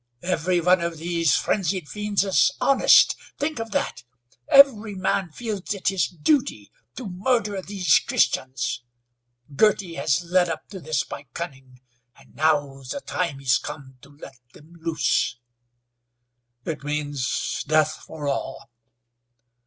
Every one of these frenzied fiends is honest. Think of that! Every man feels it his duty to murder these Christians. Girty has led up to this by cunning, and now the time is come to let them loose." "It means death for all."